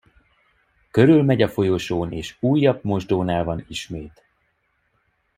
Körülmegy a folyosón, és újabb mosdónál van ismét.